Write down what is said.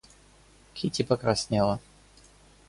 Кити покраснела.